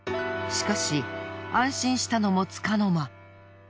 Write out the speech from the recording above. しかし安心したのも束の間。